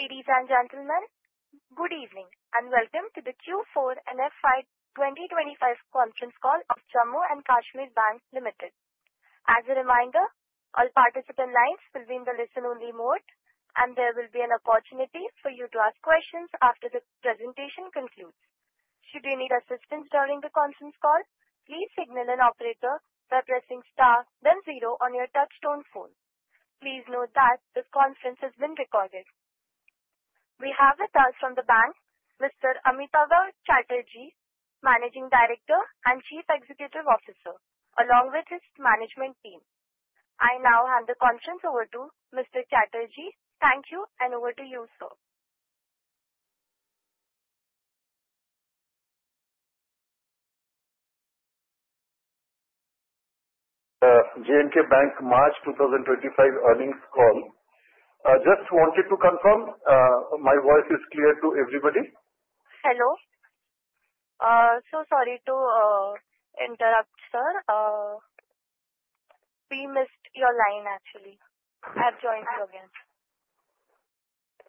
Ladies and gentlemen, good evening and welcome to the Q4 and FY 2025 conference call of Jammu and Kashmir Bank Limited. As a reminder, all participant lines will be in the listen-only mode, and there will be an opportunity for you to ask questions after the presentation concludes. Should you need assistance during the conference call, please signal an operator by pressing star, then zero on your touch-tone phone. Please note that this conference has been recorded. We have with us from the bank, Mr. Amitabh Chatterjee, Managing Director and Chief Executive Officer, along with his management team. I now hand the conference over to Mr. Chatterjee. Thank you, and over to you, sir. J&K Bank March 2025 earnings call. Just wanted to confirm my voice is clear to everybody. Hello. So sorry to interrupt, sir. We missed your line, actually. I've joined you again.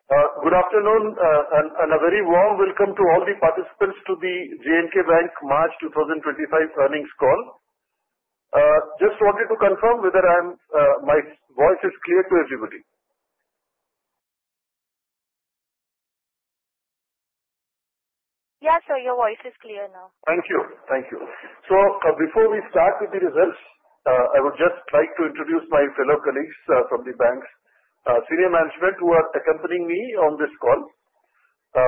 Good afternoon and a very warm welcome to all the participants to the J&K Bank March 2025 earnings call. Just wanted to confirm whether my voice is clear to everybody. Yes, sir, your voice is clear now. Thank you. Thank you, so before we start with the results, I would just like to introduce my fellow colleagues from the bank's senior management who are accompanying me on this call.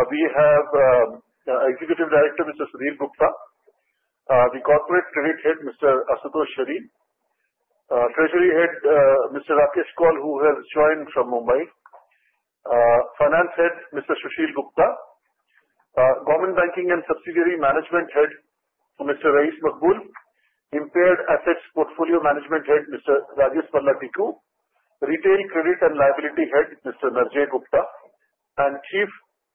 We have Executive Director, Mr. Sudhir Gupta, the Corporate Credit Head, Mr. Ashutosh Sareen, Treasury Head, Mr. Rakesh Koul, who has joined from Mumbai, Finance Head, Mr. Sushil Gupta, Government Banking and Subsidiary Management Head, Mr. Rayees Maqbool, Impaired Assets Portfolio Management Head, Mr. Rajesh Malla, Retail Credit and Liability Head, Mr. Narjay Gupta, and Chief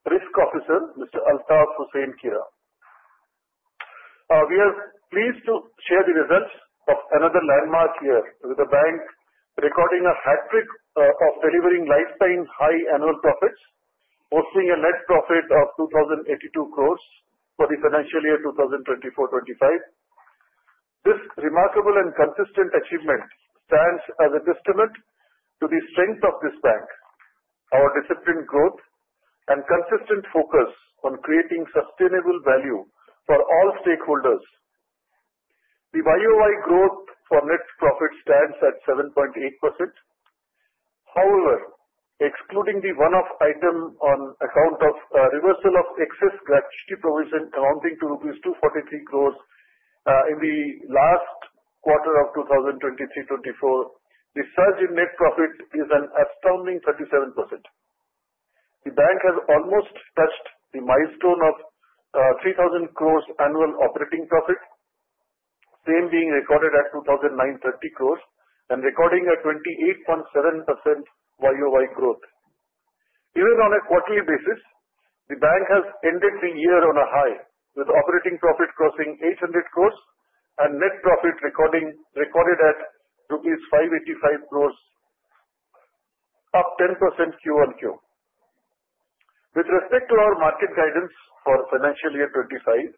Risk Officer, Mr. Altaf Hussain. We are pleased to share the results of another landmark year with the bank recording a hat trick of delivering lifetime high annual profits, posting a net profit of 2,082 crores for the financial year 2024-25. This remarkable and consistent achievement stands as a testament to the strength of this bank, our disciplined growth, and consistent focus on creating sustainable value for all stakeholders. The YOY growth for net profit stands at 7.8%. However, excluding the one-off item on account of reversal of excess gratuity provision amounting to rupees 243 crores in the last quarter of 2023-24, the surge in net profit is an astounding 37%. The bank has almost touched the milestone of 3,000 crores annual operating profit, same being recorded at 2,930 crores and recording a 28.7% YOY growth. Even on a quarterly basis, the bank has ended the year on a high, with operating profit crossing 800 crores and net profit recorded at rupees 585 crores, up 10% QoQ. With respect to our market guidance for financial year 2025,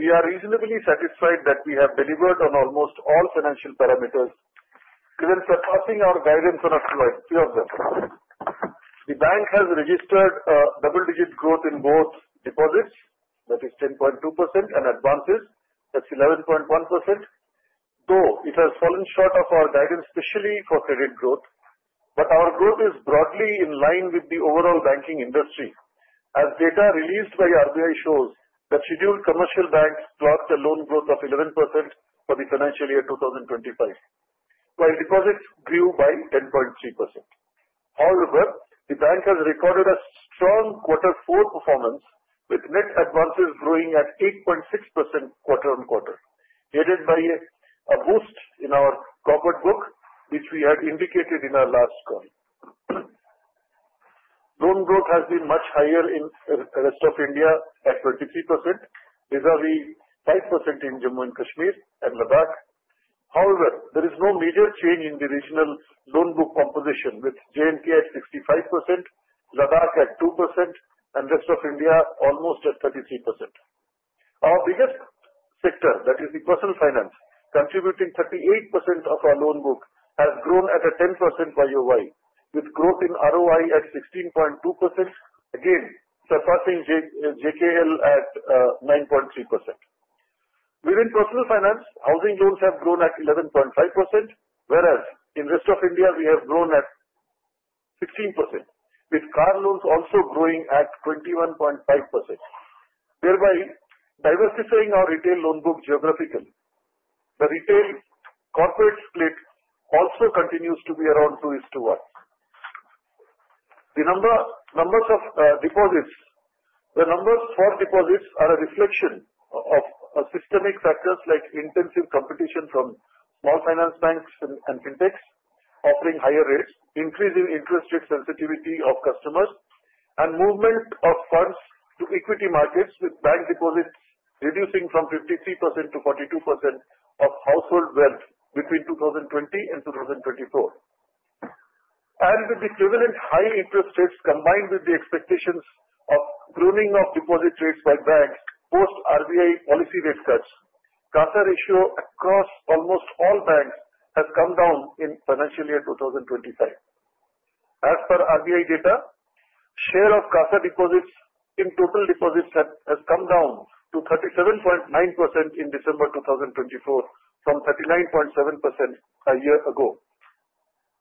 we are reasonably satisfied that we have delivered on almost all financial parameters, even surpassing our guidance on a few of them. The bank has registered a double-digit growth in both deposits, that is 10.2%, and advances, that's 11.1%. Though it has fallen short of our guidance, especially for credit growth, our growth is broadly in line with the overall banking industry, as data released by RBI shows that scheduled commercial banks clocked a loan growth of 11% for the financial year 2025, while deposits grew by 10.3%. However, the bank has recorded a strong Q4 performance, with net advances growing at 8.6% quarter on quarter, aided by a boost in our corporate book, which we had indicated in our last call. Loan growth has been much higher in the rest of India at 23%, vis-à-vis 5% in Jammu and Kashmir and Ladakh. However, there is no major change in the regional loan book composition, with JMK at 65%, Ladakh at 2%, and the rest of India almost at 33%. Our biggest sector, that is the personal finance, contributing 38% of our loan book, has grown at a 10% YOY, with growth in ROI at 16.2%, again surpassing JKL at 9.3%. Within personal finance, housing loans have grown at 11.5%, whereas in the rest of India, we have grown at 16%, with car loans also growing at 21.5%. Thereby diversifying our retail loan book geographically, the retail corporate split also continues to be around 2:1. The numbers of deposits, the numbers for deposits, are a reflection of systemic factors like intensive competition from small finance banks and fintechs offering higher rates, increasing interest rate sensitivity of customers, and movement of funds to equity markets, with bank deposits reducing from 53% to 42% of household wealth between 2020 and 2024. With the equivalent high interest rates combined with the expectations of pruning of deposit rates by banks post-RBI policy rate cuts, CASA ratio across almost all banks has come down in financial year 2025. As per RBI data, share of CASA deposits in total deposits has come down to 37.9% in December 2024 from 39.7% a year ago.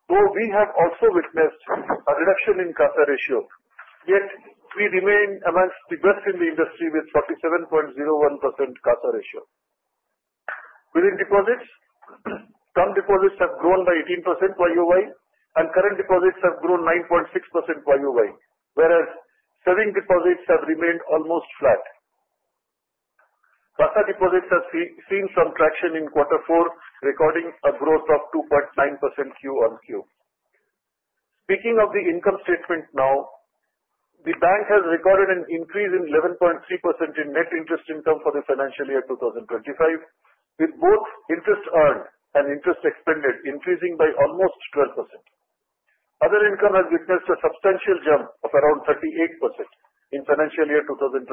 Though we have also witnessed a reduction in CASA ratio, yet we remain among the best in the industry with 47.01% CASA ratio. Within deposits, term deposits have grown by 18% YOY, and current deposits have grown 9.6% YOY, whereas savings deposits have remained almost flat. CASA deposits have seen some traction in Q4, recording a growth of 2.9% QoQ. Speaking of the income statement now, the bank has recorded an increase in 11.3% in net interest income for the financial year 2025, with both interest earned and interest expended increasing by almost 12%. Other income has witnessed a substantial jump of around 38% in financial year 2025,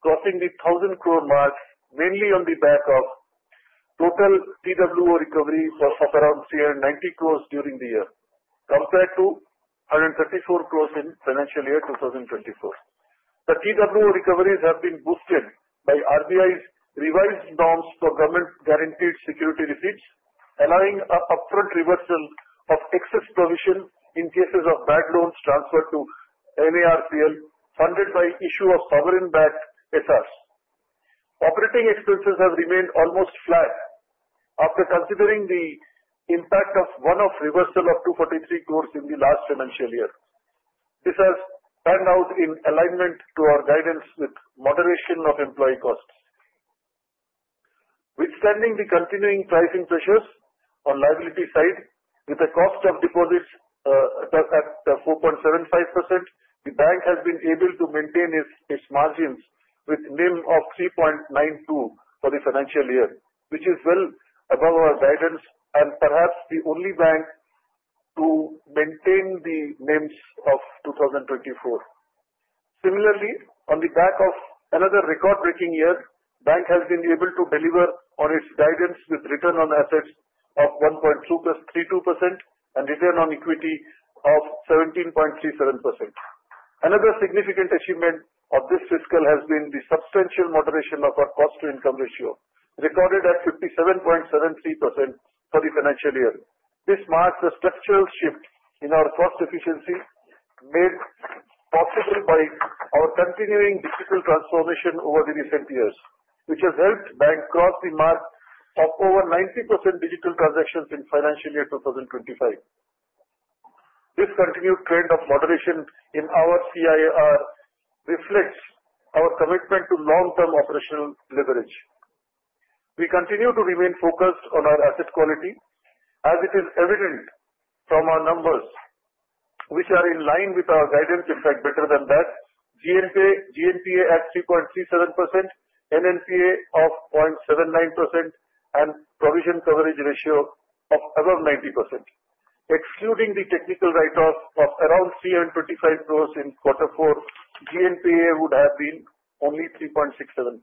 crossing the 1,000 crore mark, mainly on the back of total TWO recovery of around 390 crores during the year, compared to 134 crores in financial year 2024. The TWO recoveries have been boosted by RBI's revised norms for government-guaranteed security receipts, allowing an upfront reversal of excess provision in cases of bad loans transferred to NARCL, funded by issue of sovereign-backed SRs. Operating expenses have remained almost flat after considering the impact of one-off reversal of 243 crores in the last financial year. This has panned out in alignment to our guidance with moderation of employee costs. Withstanding the continuing pricing pressures on liability side, with the cost of deposits at 4.75%, the bank has been able to maintain its margins with a NIM of 3.92 for the financial year, which is well above our guidance and perhaps the only bank to maintain the NIMs of 2024. Similarly, on the back of another record-breaking year, the bank has been able to deliver on its guidance with return on assets of 1.32% and return on equity of 17.37%. Another significant achievement of this fiscal year has been the substantial moderation of our cost-to-income ratio, recorded at 57.73% for the financial year. This marks a structural shift in our cost efficiency made possible by our continuing digital transformation over the recent years, which has helped the bank cross the mark of over 90% digital transactions in financial year 2025. This continued trend of moderation in our CIR reflects our commitment to long-term operational leverage. We continue to remain focused on our asset quality, as it is evident from our numbers, which are in line with our guidance, in fact, better than that. GNPA at 3.37%, NNPA of 0.79%, and provision coverage ratio of above 90%. Excluding the technical write-off of around 325 crores in Q4, GNPA would have been only 3.67%.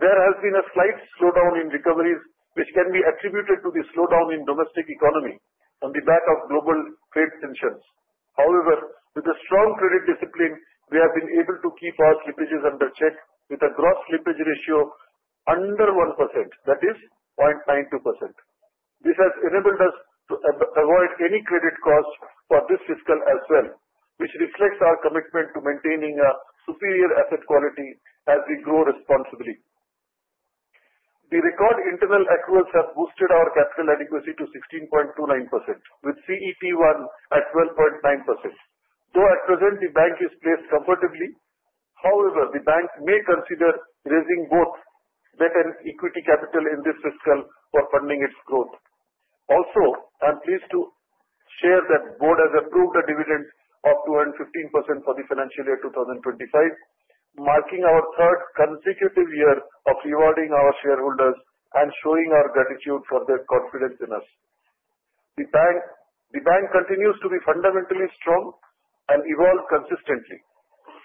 There has been a slight slowdown in recoveries, which can be attributed to the slowdown in domestic economy on the back of global trade tensions. However, with a strong credit discipline, we have been able to keep our slippages under check with a gross slippage ratio under 1%, that is 0.92%. This has enabled us to avoid any credit costs for this fiscal as well, which reflects our commitment to maintaining a superior asset quality as we grow responsibly. The record internal accruals have boosted our capital adequacy to 16.29%, with CET1 at 12.9%. Though at present, the bank is placed comfortably, however, the bank may consider raising both debt and equity capital in this fiscal for funding its growth. Also, I'm pleased to share that the board has approved a dividend of 215% for the financial year 2025, marking our third consecutive year of rewarding our shareholders and showing our gratitude for their confidence in us. The bank continues to be fundamentally strong and evolve consistently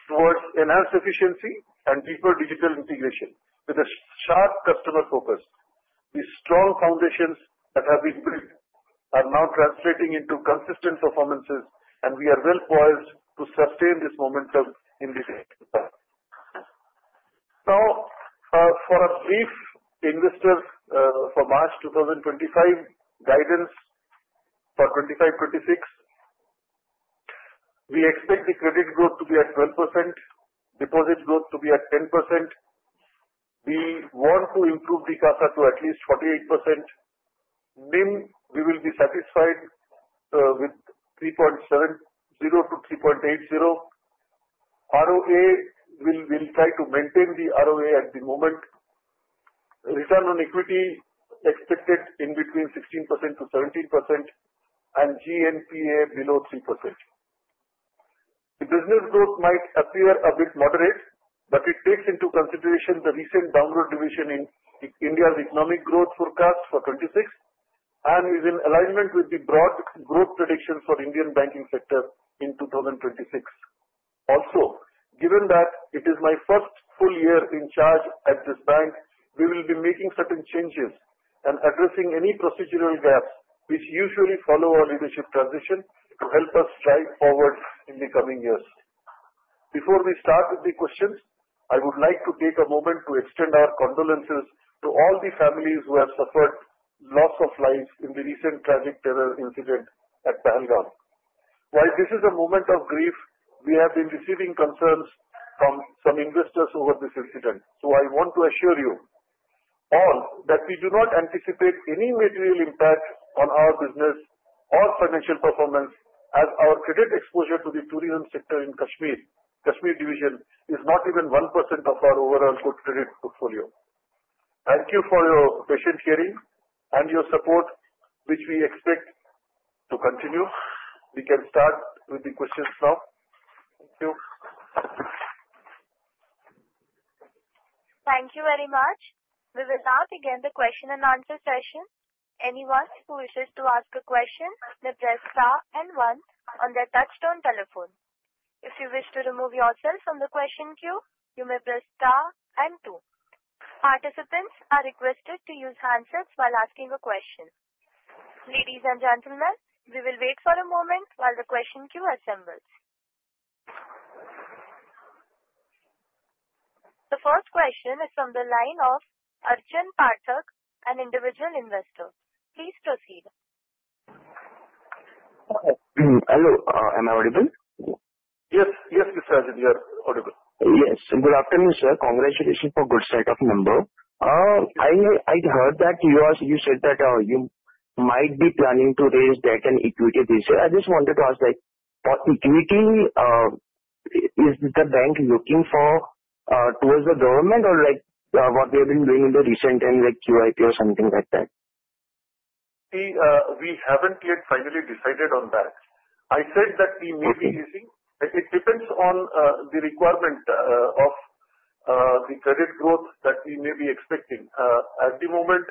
towards enhanced efficiency and deeper digital integration with a sharp customer focus. The strong foundations that have been built are now translating into consistent performances, and we are well poised to sustain this momentum in the next year. Now, for a brief investor for March 2025 guidance for 2025-2026, we expect the credit growth to be at 12%, deposit growth to be at 10%. We want to improve the CASA to at least 48%. NIM, we will be satisfied with 3.70% to 3.80%. ROA, we'll try to maintain the ROA at the moment. Return on equity expected in between 16% to 17%, and GNPA below 3%. The business growth might appear a bit moderate, but it takes into consideration the recent downward revision in India's economic growth forecast for 2026 and is in alignment with the broad growth predictions for the Indian banking sector in 2026. Also, given that it is my first full year in charge at this bank, we will be making certain changes and addressing any procedural gaps which usually follow our leadership transition to help us strive forward in the coming years. Before we start with the questions, I would like to take a moment to extend our condolences to all the families who have suffered loss of life in the recent tragic terror incident at Pahalgam. While this is a moment of grief, we have been receiving concerns from some investors over this incident. I want to assure you all that we do not anticipate any material impact on our business or financial performance, as our credit exposure to the tourism sector in Kashmir Division is not even 1% of our overall credit portfolio. Thank you for your patient hearing and your support, which we expect to continue. We can start with the questions now. Thank you. Thank you very much. We will now begin the question and answer session. Anyone who wishes to ask a question may press star and one on their touch-tone telephone. If you wish to remove yourself from the question queue, you may press star and two. Participants are requested to use handsets while asking a question. Ladies and gentlemen, we will wait for a moment while the question queue assembles. The first question is from the line of MetalDEX, an individual investor. Please proceed. Hello. Am I audible? Yes. Yes, Mr. Rajendra, you're audible. Yes. Good afternoon, sir. Congratulations for a good set of numbers. I heard that you said that you might be planning to raise debt and equity this year. I just wanted to ask, for equity, is the bank looking towards the government or what they have been doing in the recent times, like QIP or something like that? We haven't yet finally decided on that. I said that we may be raising. It depends on the requirement of the credit growth that we may be expecting. At the moment,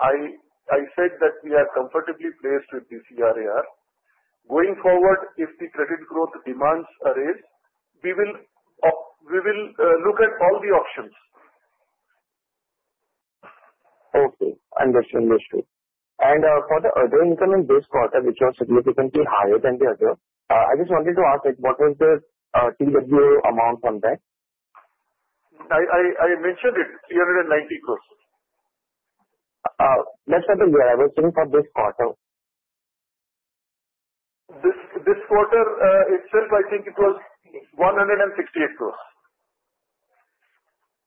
I said that we are comfortably placed with the CRAR. Going forward, if the credit growth demands are raised, we will look at all the options. Okay. Understood. Understood. For the other income in this quarter, which was significantly higher than the other, I just wanted to ask, what was the TWO amount on that? I mentioned it, 390 crores. Let's start again. I was saying for this quarter. This quarter itself, I think it was 168 crores.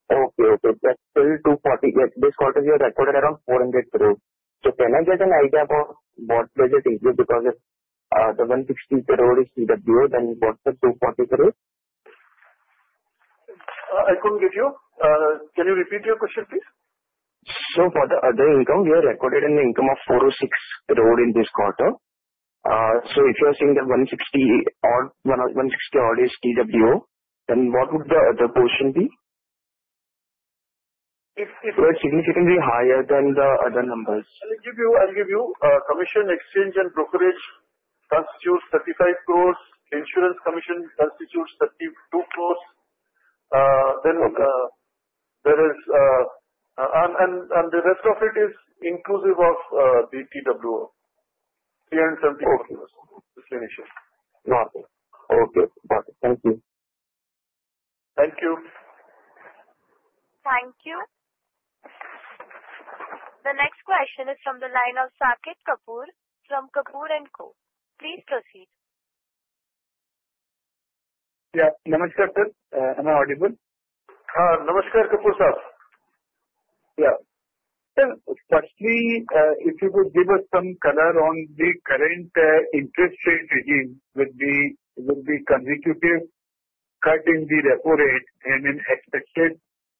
Okay. Okay. That's 240. This quarter you recorded around INR 400 crores. So can I get an idea about what does it increase? Because if the INR 160 crores is TWO, then what's the INR 240 crores? I couldn't get you. Can you repeat your question, please? So for the other income, we have recorded an income of 406 crores in this quarter. So if you are saying that 160 crores is TWO, then what would the other portion be? If it's significantly higher than the other numbers. I'll give you commission, exchange, and brokerage constitutes 35 crores. Insurance commission constitutes 32 crores. Then there is, and the rest of it is inclusive of the TWO, INR 374 crores. Okay. Got it. Thank you. The next question is from the line of Saket Kapoor, from Kapoor & Co. Please proceed. Yeah. Namaskar, sir. Am I audible? Namaskar, Kapoor Sahib. Yeah. Sir, firstly, if you could give us some color on the current interest rate regime with the consecutive cut in the repo rate and an expected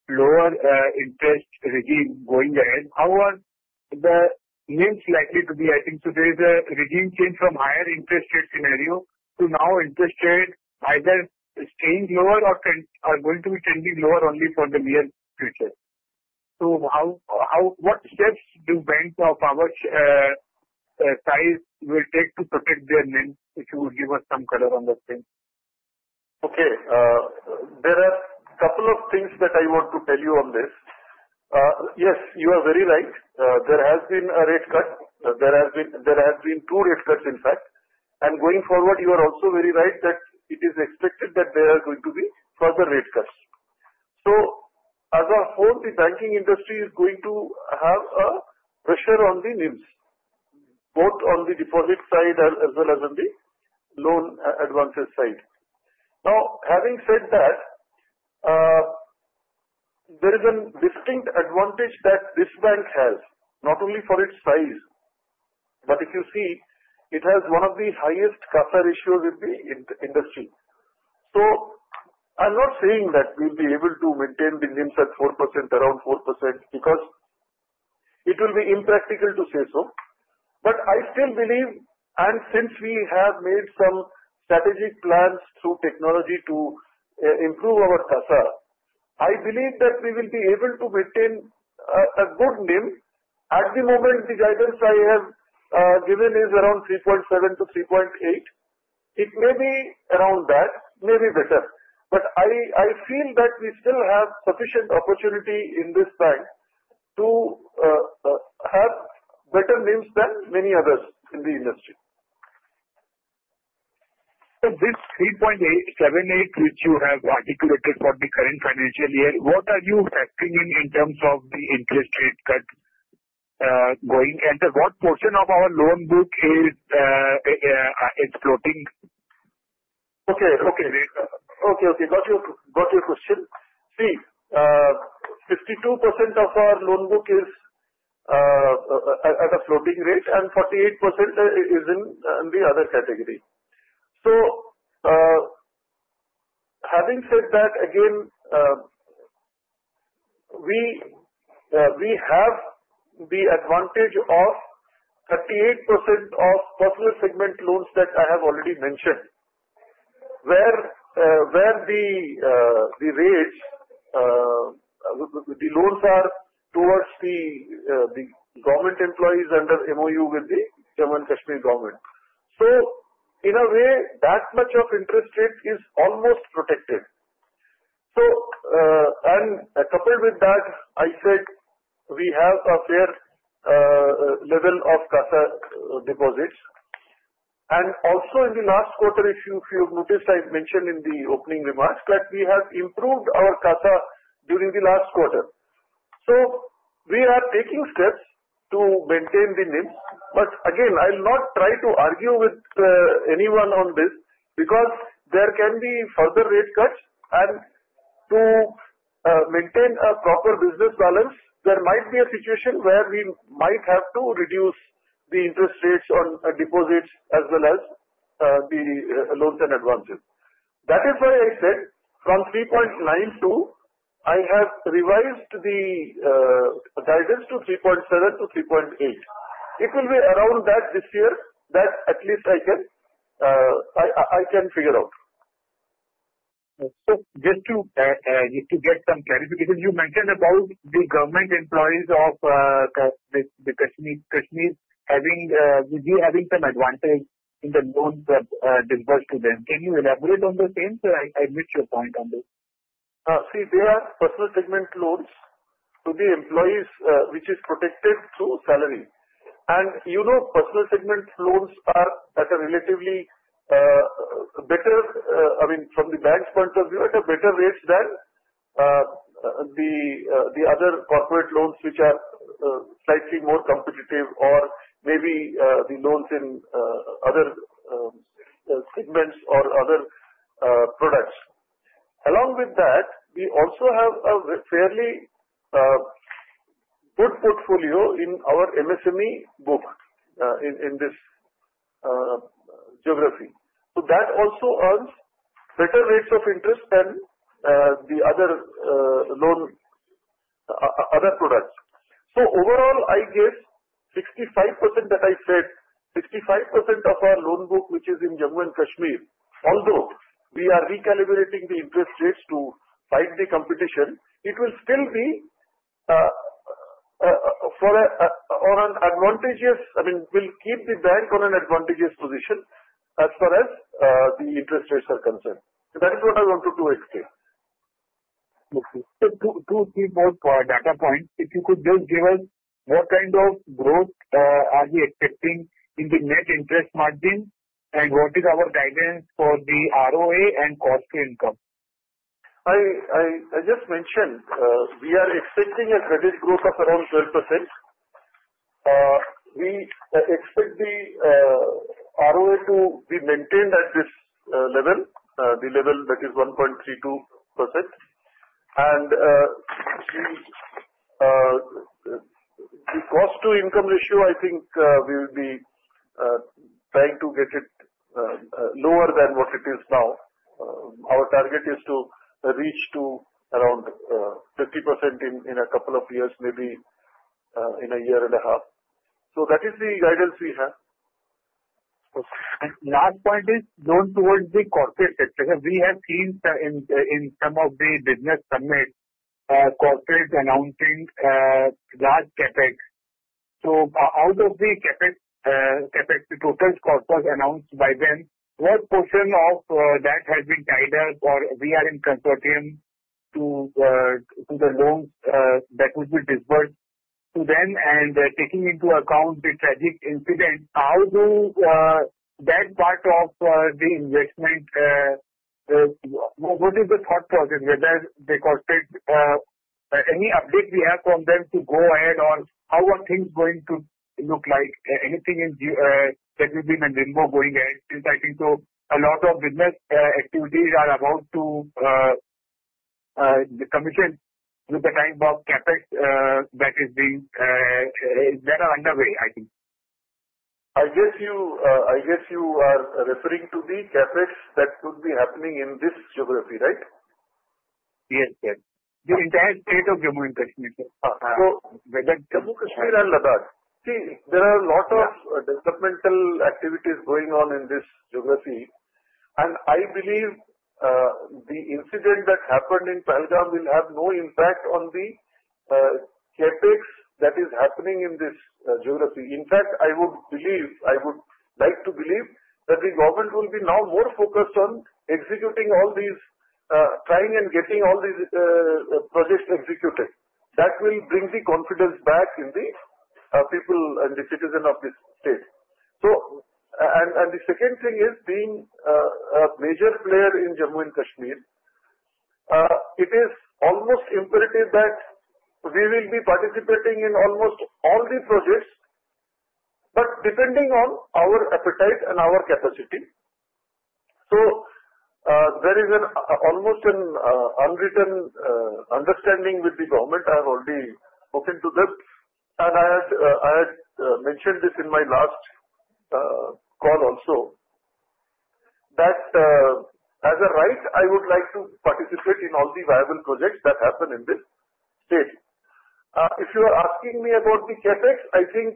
lower interest regime going ahead. How will the NIM likely be? I think today's regime changed from higher interest rate scenario to now interest rate either staying lower or going to be trending lower only for the near future. So what steps do banks of our size will take to protect their NIM? If you would give us some color on that thing. Okay. There are a couple of things that I want to tell you on this. Yes, you are very right. There has been a rate cut. There have been two rate cuts, in fact. And going forward, you are also very right that it is expected that there are going to be further rate cuts. So as a whole, the banking industry is going to have a pressure on the NIMs, both on the deposit side as well as on the loan advances side. Now, having said that, there is a distinct advantage that this bank has, not only for its size, but if you see, it has one of the highest CASA ratios in the industry. So I'm not saying that we'll be able to maintain the NIMs at 4%, around 4%, because it will be impractical to say so. But I still believe, and since we have made some strategic plans through technology to improve our CASA, I believe that we will be able to maintain a good NIM. At the moment, the guidance I have given is around 3.7%-3.8%. It may be around that, maybe better. But I feel that we still have sufficient opportunity in this bank to have better NIMs than many others in the industry. So this 3.78%, which you have articulated for the current financial year, what are you factoring in in terms of the interest rate cut going? And what portion of our loan book is floating? Okay. Got your question. See, 52% of our loan book is at a floating rate, and 48% is in the other category. So having said that, again, we have the advantage of 38% of personal segment loans that I have already mentioned, where the loans are towards the government employees under MOU with the Jammu and Kashmir Government. So in a way, that much of interest rate is almost protected. And coupled with that, I said we have a fair level of CASA deposits. And also in the last quarter, if you have noticed, I mentioned in the opening remarks that we have improved our CASA during the last quarter. So we are taking steps to maintain the NIMs. But again, I'll not try to argue with anyone on this because there can be further rate cuts. And to maintain a proper business balance, there might be a situation where we might have to reduce the interest rates on deposits as well as the loans and advances. That is why I said from 3.92, I have revised the guidance to 3.7-3.8. It will be around that this year that at least I can figure out. Just to get some clarification, you mentioned about the government employees of Kashmir having some advantage in the loans that are disbursed to them. Can you elaborate on the same, sir? I missed your point on this. See, there are personal segment loans to the employees, which is protected through salary. And personal segment loans are at a relatively better, I mean, from the bank's point of view, at a better rate than the other corporate loans, which are slightly more competitive or maybe the loans in other segments or other products. Along with that, we also have a fairly good portfolio in our MSME book in this geography. So that also earns better rates of interest than the other products. So overall, I guess 65% that I said, 65% of our loan book, which is in Jammu and Kashmir, although we are recalibrating the interest rates to fight the competition, it will still be on an advantageous, I mean, will keep the bank on an advantageous position as far as the interest rates are concerned. So that is what I wanted to explain. Okay. So to keep both data points, if you could just give us what kind of growth are we expecting in the net interest margin and what is our guidance for the ROA and cost-to-income? I just mentioned we are expecting a credit growth of around 12%. We expect the ROA to be maintained at this level, the level that is 1.32%. The cost-to-income ratio, I think we will be trying to get it lower than what it is now. Our target is to reach around 30% in a couple of years, maybe in a year and a half. That is the guidance we have. The last point is loans to the corporate sector. We have seen in some of the business summits, corporates announcing large CapEx. Out of the CapEx, the total announced by them, what portion of that has been tied up or we are in consortium to the loans that will be disbursed to them? Taking into account the tragic incident, how does that part of the investment, what is the thought process, whether the corporates, any update we have from them to go ahead or how are things going to look like? Anything that will be in a limbo going ahead? Since I think a lot of business activities are about to commission with the kind of capex that is being, that are underway, I think. I guess you are referring to the capex that could be happening in this geography, right? Yes, sir. The entire state of Jammu and Kashmir, sir. So whether Jammu and Kashmir and Ladakh, see, there are a lot of developmental activities going on in this geography. And I believe the incident that happened in Pahalgam will have no impact on the capex that is happening in this geography. In fact, I would believe, I would like to believe that the government will be now more focused on executing all these, trying and getting all these projects executed. That will bring the confidence back in the people and the citizens of this state. The second thing is being a major player in Jammu and Kashmir, it is almost imperative that we will be participating in almost all the projects, but depending on our appetite and our capacity. There is almost an unwritten understanding with the government. I have already spoken to them. I had mentioned this in my last call also, that as a right, I would like to participate in all the viable projects that happen in this state. If you are asking me about the CapEx, I think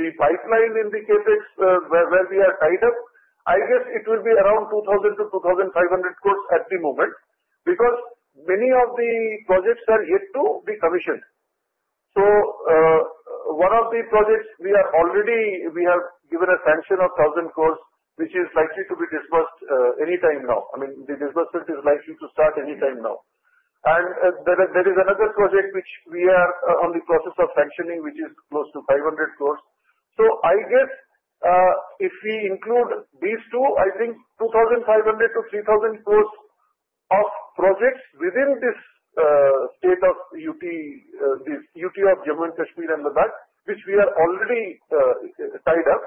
the pipeline in the CapEx where we are tied up, I guess it will be around 2,000-2,500 crores at the moment because many of the projects are yet to be commissioned. One of the projects, we have given a sanction of 1,000 crores, which is likely to be disbursed anytime now. I mean, the disbursement is likely to start anytime now. And there is another project which we are on the process of sanctioning, which is close to 500 crores. So I guess if we include these two, I think 2,500-3,000 crores of projects within this state of UT, this UT of Jammu and Kashmir and Ladakh, which we are already tied up.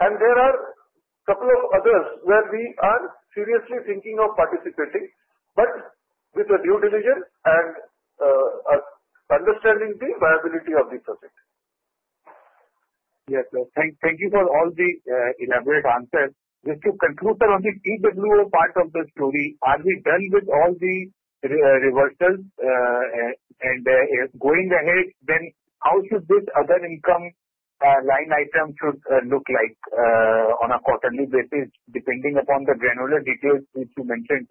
And there are a couple of others where we are seriously thinking of participating, but with a due diligence and understanding the viability of the project. Yes, sir. Thank you for all the elaborate answers. Just to conclude on the TWO part of the story, are we done with all the reversals and going ahead? Then how should this other income line item look like on a quarterly basis, depending upon the granular details which you mentioned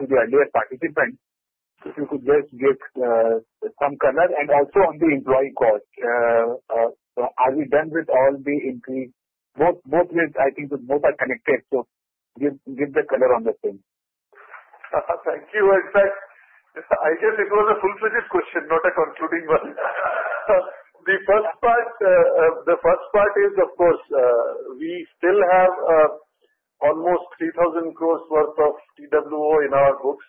to the earlier participants? If you could just give some color and also on the employee cost, are we done with all the increase, both with, I think both are connected? So give the color on the same. Thank you. In fact, I guess it was a full-fledged question, not a concluding one. The first part is, of course, we still have almost 3,000 crores worth of TWO in our books.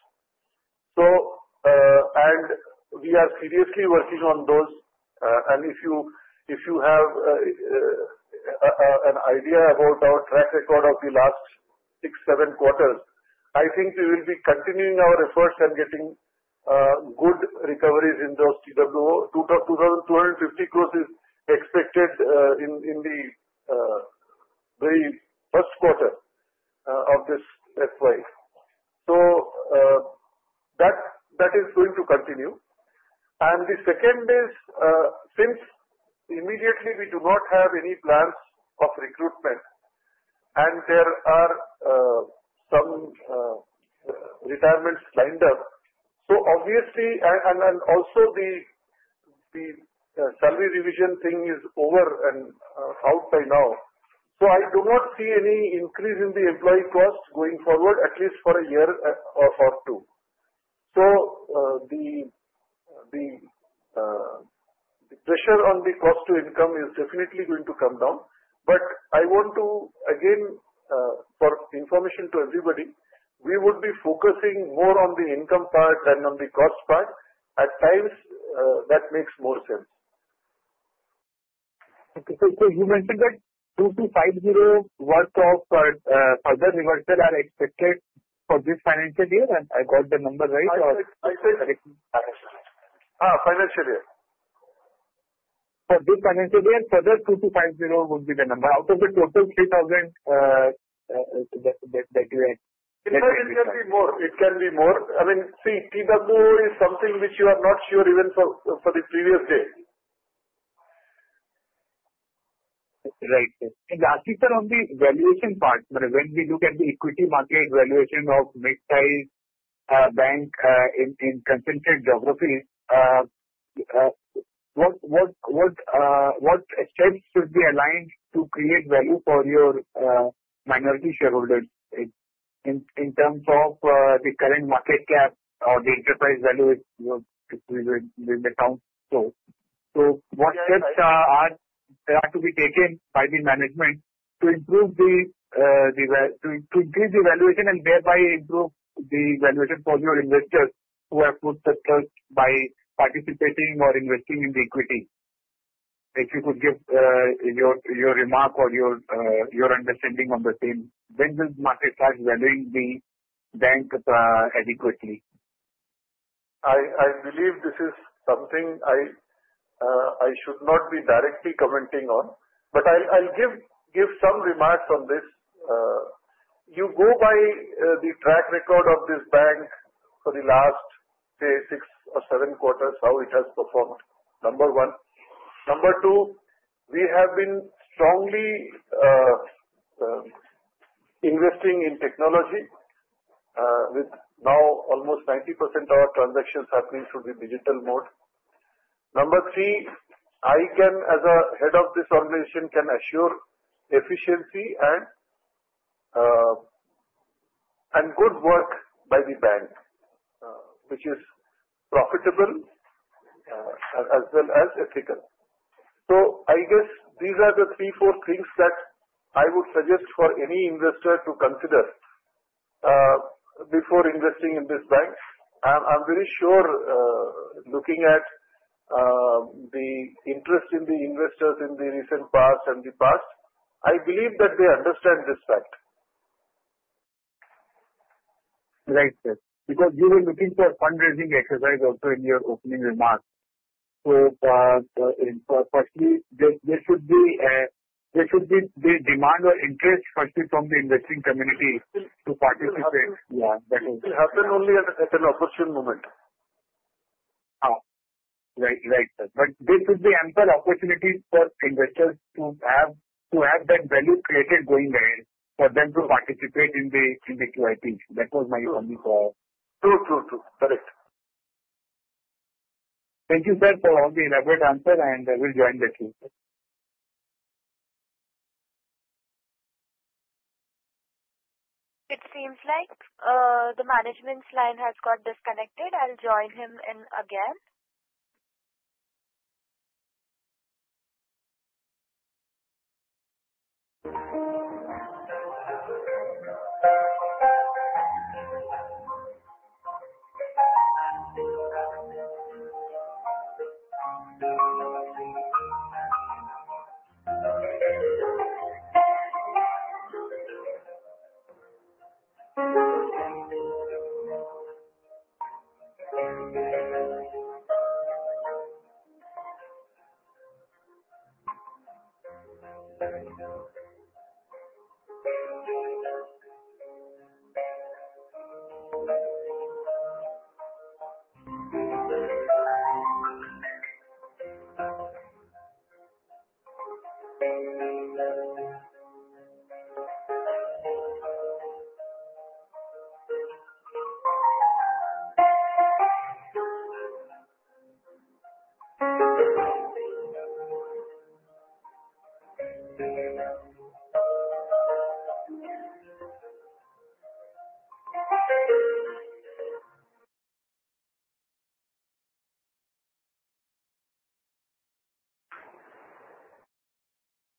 And we are seriously working on those. And if you have an idea about our track record of the last six, seven quarters, I think we will be continuing our efforts and getting good recoveries in those TWO. 2,250 crores is expected in the very Q1 of this FY. So that is going to continue. The second is, since immediately we do not have any plans of recruitment and there are some retirements lined up, so obviously, and also the salary revision thing is over and out by now. I do not see any increase in the employee cost going forward, at least for a year or two. The pressure on the cost to income is definitely going to come down. I want to, again, for information to everybody, we would be focusing more on the income part than on the cost part. At times, that makes more sense. You mentioned that 2,250 worth of further reversal are expected for this financial year? I got the number right or? I said financial year. For this financial year, further 2,250 would be the number out of the total 3,000 that you had. It can be more. It can be more. I mean, see, TWO is something which you are not sure even for the previous day. Right. And lastly, sir, on the valuation part, when we look at the equity market valuation of mid-sized bank in contested geographies, what steps should be aligned to create value for your minority shareholders in terms of the current market cap or the enterprise value if we will be counting? So what steps are there to be taken by the management to improve to increase the valuation and thereby improve the valuation for your investors who have put the trust by participating or investing in the equity? If you could give your remark or your understanding on the same. When will market start valuing the bank adequately? I believe this is something I should not be directly commenting on, but I'll give some remarks on this. You go by the track record of this bank for the last, say, six or seven quarters, how it has performed. Number one. Number two, we have been strongly investing in technology with now almost 90% of our transactions happening through the digital mode. Number three, I can, as a head of this organization, can assure efficiency and good work by the bank, which is profitable as well as ethical. So I guess these are the three, four things that I would suggest for any investor to consider before investing in this bank. I'm very sure looking at the interest in the investors in the recent past and the past, I believe that they understand this fact. Right, sir. Because you were looking for fundraising exercise also in your opening remarks. So firstly, there should be the demand or interest firstly from the investing community to participate. Yeah. That is. It will happen only at an opportune moment. Right, right, sir. But there should be ample opportunities for investors to have that value created going ahead for them to participate in the QIP. That was my only thought. True, true, true. Correct. Thank you, sir, for all the elaborate answers, and I will join the team. It seems like the management's line has got disconnected. I'll join him in again.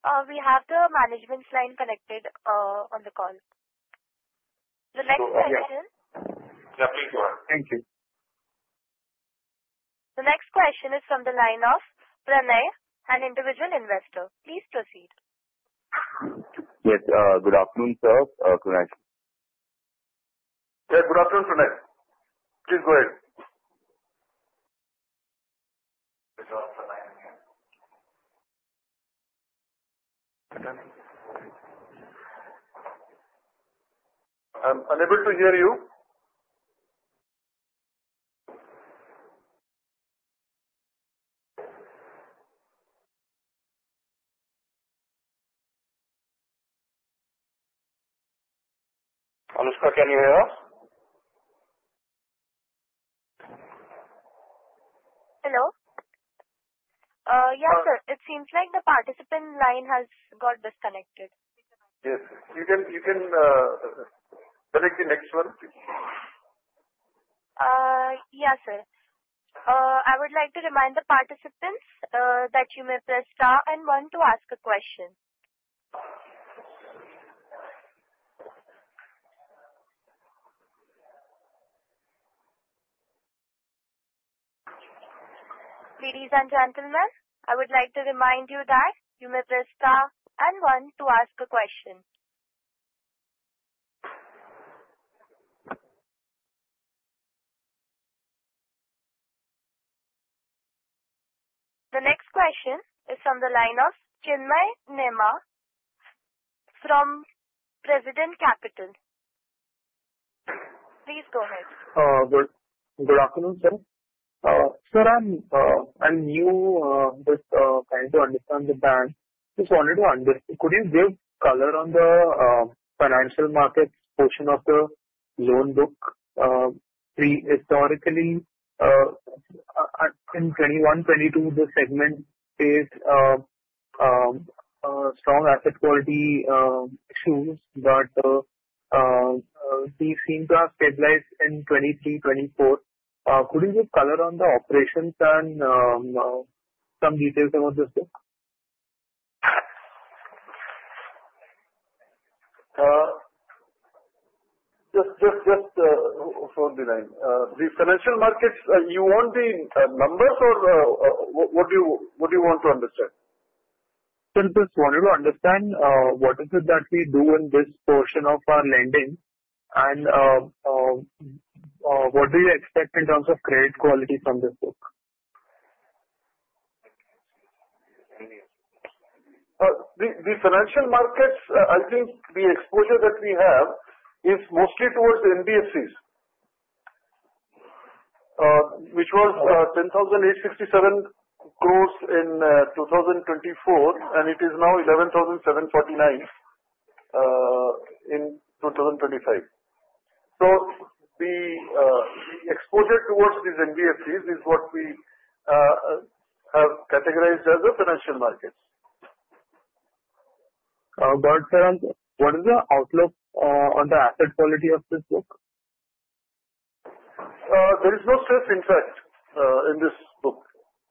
We have the management's line connected on the call. The next question. Yes, sir. Yeah, please go ahead. Thank you. The next question is from the line of Pranay, an individual investor. Please proceed. Yes. Good afternoon, sir. Pranay. Yeah, good afternoon, Pranay. Please go ahead. I'm unable to hear you. Anushka, can you hear us? Hello? Yes, sir. It seems like the participant line has got disconnected. Yes, sir. You can select the next one. Yes, sir. I would like to remind the participants that you may press star and one to ask a question. Ladies and gentlemen, I would like to remind you that you may press star and one to ask a question. The next question is from the line of Chinmay Nema from Prescient Capital. Please go ahead. Good afternoon, sir. Sir, I'm new with trying to understand the bank. Just wanted to understand, could you give color on the financial markets portion of the loan book? Historically, in 2021, 2022, the segment faced strong asset quality issues, but they seem to have stabilized in 2023, 2024. Could you give color on the operations and some details about this book? Just for the line. The financial markets, you want the numbers or what do you want to understand? Sir, just wanted to understand what is it that we do in this portion of our lending and what do you expect in terms of credit quality from this book? The financial markets, I think the exposure that we have is mostly towards NBFCs, which was 10,867 crores in 2024, and it is now 11,749 crores in 2025. So the exposure towards these NBFCs is what we have categorized as the financial markets. But sir, what is the outlook on the asset quality of this book? There is no stress, in fact, in this book.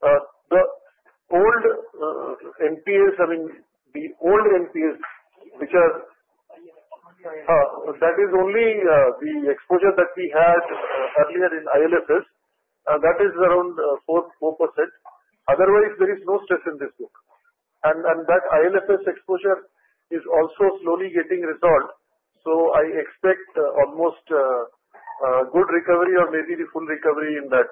The old NPAs, I mean, the old NPAs, which are that is only the exposure that we had earlier in IL&FS, that is around 4%. Otherwise, there is no stress in this book. And that IL&FS exposure is also slowly getting resolved. So I expect almost good recovery or maybe the full recovery in that.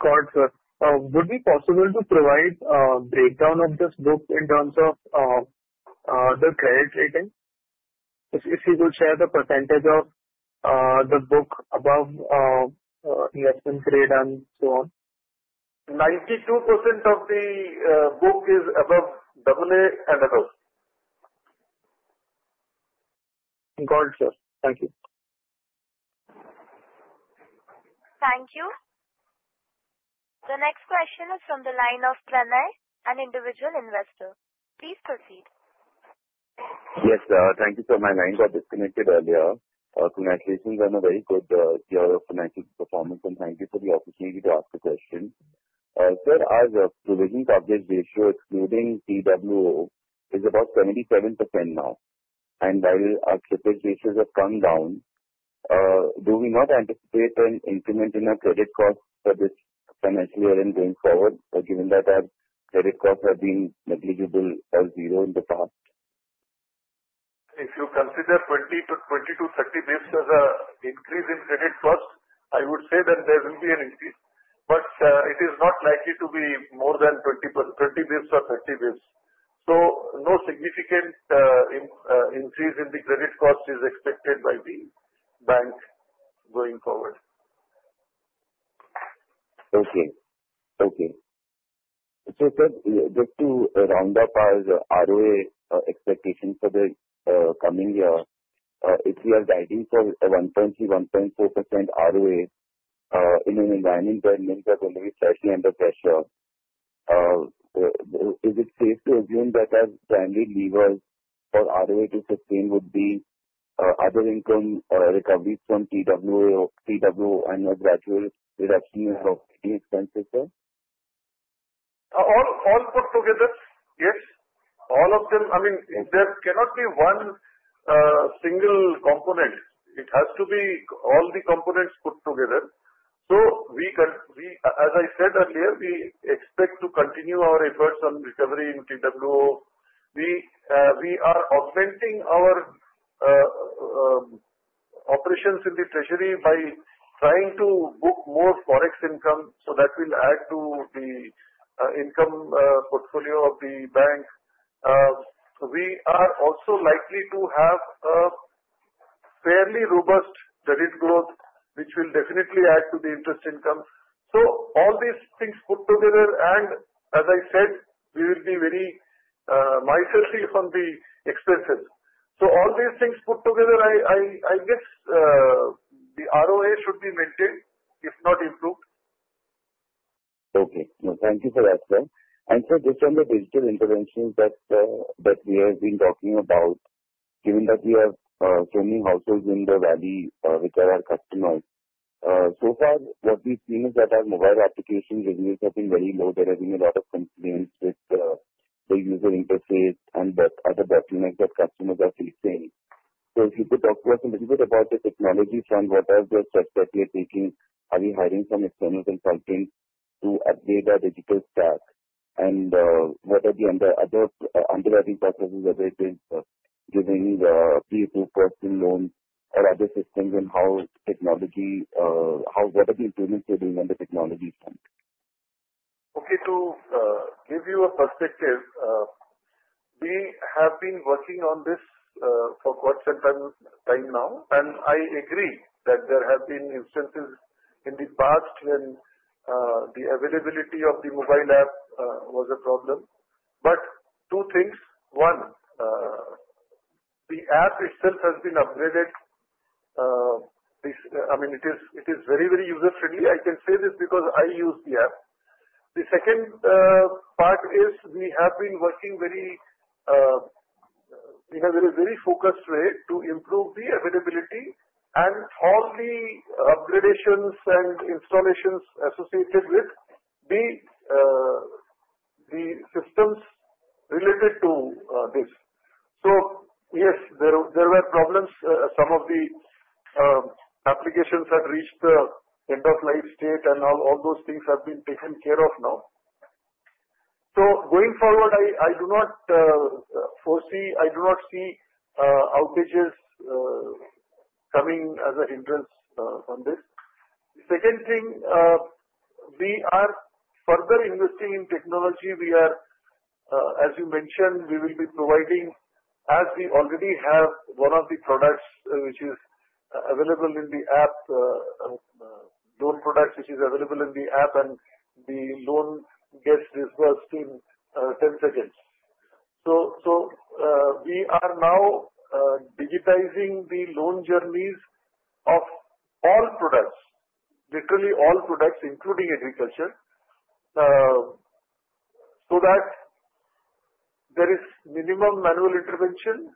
Got it, sir. Would it be possible to provide a breakdown of this book in terms of the credit rating? If you could share the percentage of the book above investment grade and so on. 92% of the book is above AA and above. Got it, sir. Thank you. Thank you. The next question is from the line of Pranay, an individual investor. Please proceed. Yes, sir. Thank you for my line got disconnected earlier. Financials are in a very good year of financial performance, and thank you for the opportunity to ask the question. Sir, our provision coverage ratio, excluding TWO, is about 77% now. And while our credit ratios have come down, do we not anticipate an increment in our credit costs for this financial year and going forward, given that our credit costs have been negligible or zero in the past? If you consider 20 to 30 basis points as an increase in credit costs, I would say that there will be an increase. But it is not likely to be more than 20 basis points or 30 basis points. So no significant increase in the credit costs is expected by the bank going forward. Okay. Okay. So sir, just to round up our ROA expectations for the coming year, if we are guiding for a 1.3-1.4% ROA in an environment where NIM was already slightly under pressure, is it safe to assume that our primary levers for ROA to sustain would be other income recoveries from TWO and a gradual reduction in our operating expenses, sir? All put together, yes. All of them. I mean, there cannot be one single component. It has to be all the components put together. So as I said earlier, we expect to continue our efforts on recovery in TWO. We are augmenting our operations in the treasury by trying to book more forex income so that will add to the income portfolio of the bank. We are also likely to have a fairly robust credit growth, which will definitely add to the interest income. So all these things put together, and as I said, we will be very much safe on the expenses. So all these things put together, I guess the ROA should be maintained, if not improved. Okay. Thank you for that, sir. And sir, just on the digital interventions that we have been talking about, given that we have so many households in the valley which are our customers, so far, what we've seen is that our mobile application revenues have been very low. There have been a lot of complaints with the user interface and other bottlenecks that customers are facing, so if you could talk to us a little bit about the technology front, what are the steps that we are taking? Are we hiring some external consultants to update our digital stack, and what are the other underwriting processes as it is giving the pre-approved personal loans or other systems, and how technology what are the improvements we're doing on the technology front? Okay. To give you a perspective, we have been working on this for quite some time now, and I agree that there have been instances in the past when the availability of the mobile app was a problem, but two things. One, the app itself has been upgraded. I mean, it is very, very user-friendly. I can say this because I use the app. The second part is we have been working in a very focused way to improve the availability and all the upgradations and installations associated with the systems related to this. So yes, there were problems. Some of the applications had reached the end-of-life state, and all those things have been taken care of now. So going forward, I do not foresee I do not see outages coming as a hindrance on this. Second thing, we are further investing in technology. As you mentioned, we will be providing, as we already have one of the products which is available in the app, loan products which is available in the app, and the loan gets disbursed in 10 seconds. So we are now digitizing the loan journeys of all products, literally all products, including agriculture, so that there is minimum manual intervention,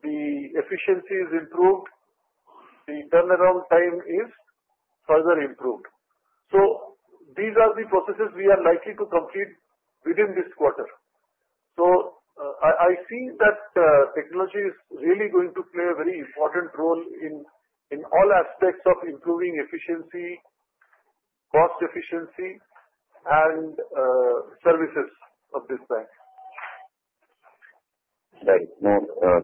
the efficiency is improved, the turnaround time is further improved. So these are the processes we are likely to complete within this quarter. So I see that technology is really going to play a very important role in all aspects of improving efficiency, cost efficiency, and services of this bank. Right.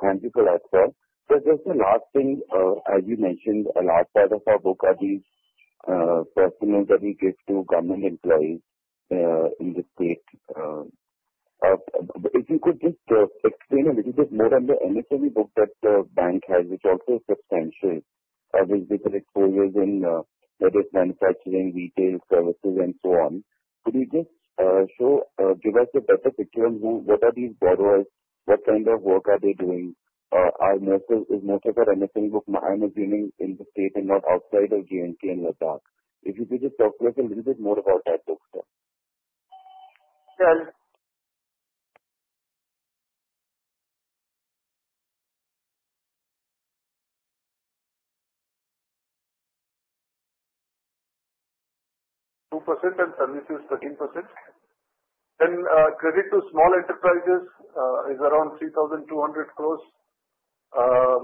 Thank you for that, sir. So just the last thing, as you mentioned, a large part of our book are these personals that we give to government employees in the state. If you could just explain a little bit more on the MSME book that the bank has, which also is substantial, with different exposures in manufacturing, retail, services, and so on. Could you just give us a better picture on what are these borrowers, what kind of work are they doing? Is most of our MSME book, I'm assuming, in the state and not outside of J&K and Ladakh? If you could just talk to us a little bit more about that, sir. Well, 2% and services 13%. Then credit to small enterprises is around 3,200 crores,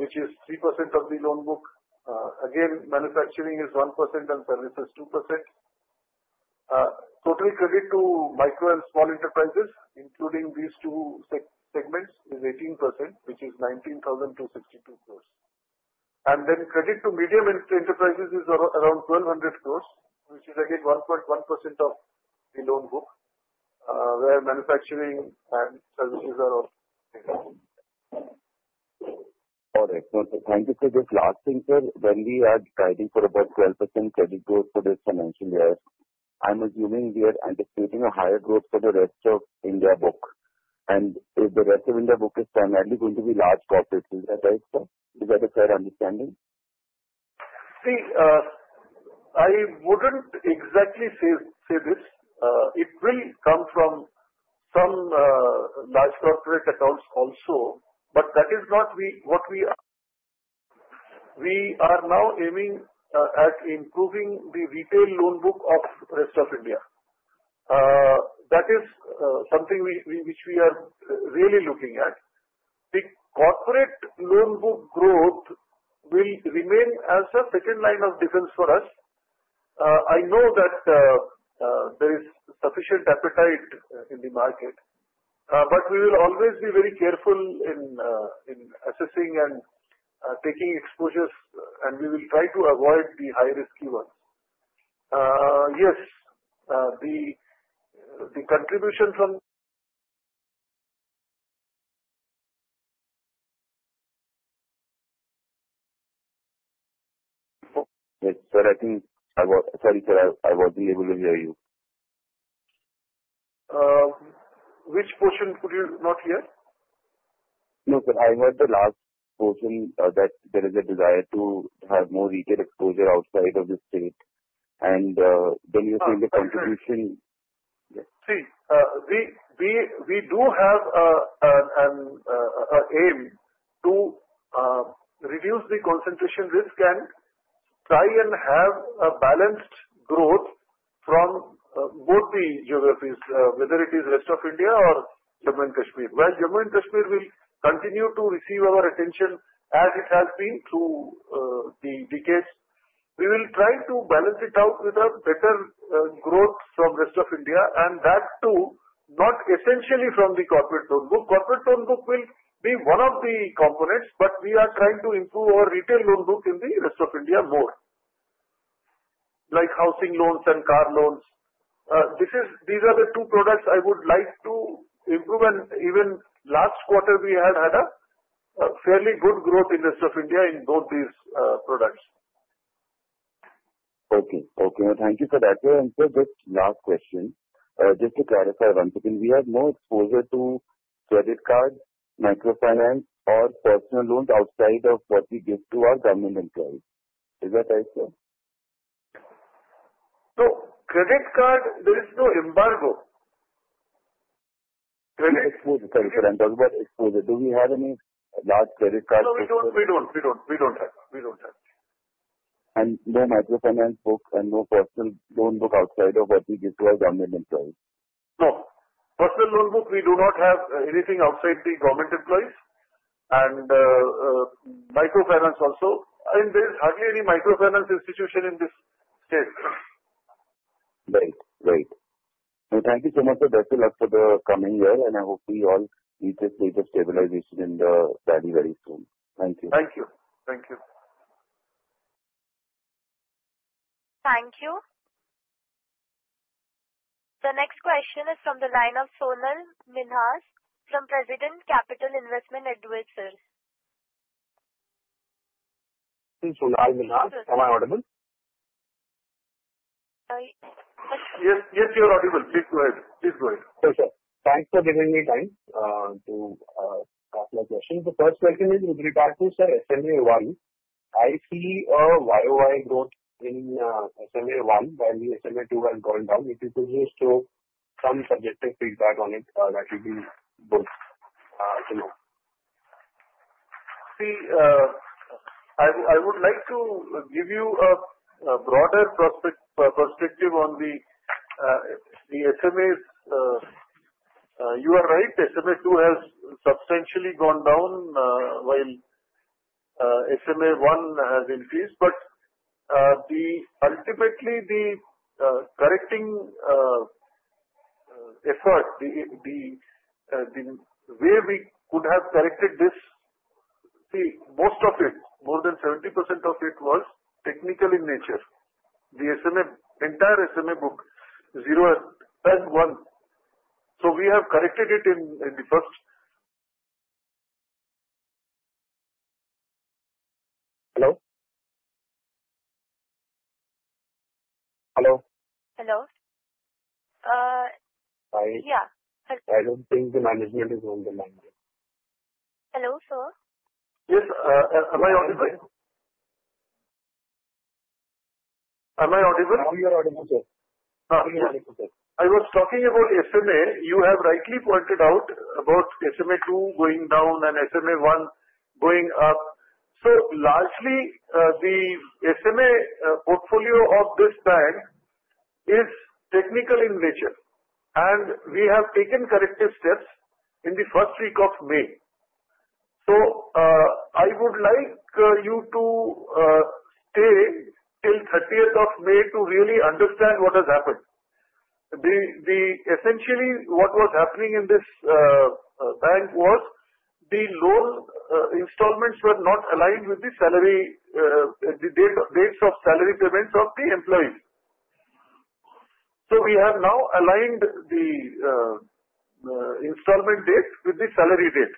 which is 3% of the loan book. Again, manufacturing is 1% and services 2%. Total credit to micro and small enterprises, including these two segments, is 18%, which is 19,262 crores. And then credit to medium enterprises is around 1,200 crores, which is, again, 1.1% of the loan book, where manufacturing and services are all. Got it. Thank you for this last thing, sir. When we are guiding for about 12% credit growth for this financial year, I'm assuming we are anticipating a higher growth for the Rest of India book. And if the Rest of India book is primarily going to be large corporates, is that right, sir? Is that a fair understanding? See, I wouldn't exactly say this. It will come from some large corporate accounts also, but that is not what we are now aiming at improving the retail loan book of the Rest of India. That is something which we are really looking at. The corporate loan book growth will remain as a second line of defense for us. I know that there is sufficient appetite in the market, but we will always be very careful in assessing and taking exposures, and we will try to avoid the high-risk ones. Yes, the contribution from. Yes, sir. I think I was sorry, sir. I wasn't able to hear you. Which portion could you not hear? No, sir. I heard the last portion that there is a desire to have more retail exposure outside of the state. And then you said the contribution. Yes. See, we do have an aim to reduce the concentration risk and try and have a balanced growth from both the geographies, whether it is rest of India or Jammu and Kashmir. While Jammu and Kashmir will continue to receive our attention as it has been through the decades, we will try to balance it out with a better growth from rest of India, and that too not essentially from the corporate loan book. Corporate loan book will be one of the components, but we are trying to improve our retail loan book in the Rest of India more, like housing loans and car loans. These are the two products I would like to improve. And even last quarter, we had had a fairly good growth in Rest of India in both these products. Okay. Okay. Thank you for that. And sir, just last question. Just to clarify once again, we have no exposure to credit card, microfinance, or personal loans outside of what we give to our government employees. Is that right, sir? No. Credit card, there is no embargo. Credit. Exposure. Sorry, sir. I'm talking about exposure. Do we have any large credit card exposure? No, we don't. We don't. We don't have. We don't have. And no microfinance book and no personal loan book outside of what we give to our government employees? No. Personal loan book, we do not have anything outside the government employees. And microfinance also. I mean, there is hardly any microfinance institution in this state. Right. Right. Thank you so much, sir. That's a lot for the coming year, and I hope we all reach a stage of stabilization in the valley very soon. Thank you. Thank you. Thank you. Thank you. The next question is from the line of Sonal Minhas from Prescient Capital. Sonal Minhas. Am I audible? Yes, you're audible. Please go ahead. Sure, sir. Thanks for giving me time to ask my question. The first question is with regard to, sir, SMA One. I see a YoY growth in SMA One while the SMA Two has gone down. If you could just throw some subjective feedback on it, that would be good to know. See, I would like to give you a broader perspective on the SMAs. You are right. SMA Two has substantially gone down while SMA One has increased. But ultimately, the correcting effort, the way we could have corrected this, see, most of it, more than 70% of it, was technical in nature. The entire SMA Book, Zero and One. So we have corrected it in the first. Hello? Hello? Hello? Hi. Yeah. I don't think the management is on the line. Hello, sir? Y es. Am I audible? Am I audible? I'm your auditor, sir. I'm your auditor, sir. I was talking about SMA. You have rightly pointed out about SMA Two going down and SMA One going up. So largely, the SMA portfolio of this bank is technical in nature. And we have taken corrective steps in the first week of May. So I would like you to stay till 30th of May to really understand what has happened. Essentially, what was happening in this bank was the loan installments were not aligned with the dates of salary payments of the employees. So we have now aligned the installment date with the salary date.